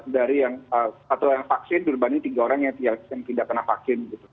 dari yang satu yang vaksin berbanding tiga orang yang tidak kena vaksin